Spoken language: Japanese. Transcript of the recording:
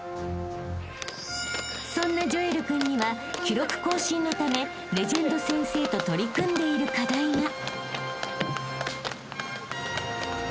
［そんなジョエル君には記録更新のためレジェンド先生と取り組んでいる課題が］